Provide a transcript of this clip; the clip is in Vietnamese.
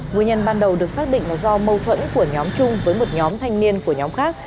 nguyên nhân ban đầu được xác định là do mâu thuẫn của nhóm trung với một nhóm thanh niên của nhóm khác